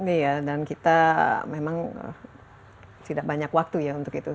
iya dan kita memang tidak banyak waktu ya untuk itu